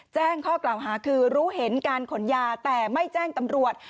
แจ้งข้อกล่าวหาคือรู้เห็นการขนยาแต่ไม่แจ้งตำรวจ